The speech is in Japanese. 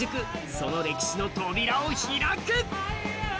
その歴史の扉を開く！